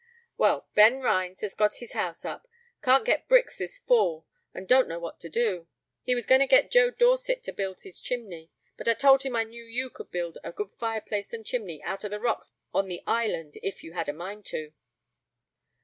"Well, Ben Rhines has got his house up, can't get bricks this fall, and don't know what to do. He was going to get Joe Dorset to build his chimney; but I told him I knew you could build a good fireplace and chimney out of the rocks on the island, if you had a mind to."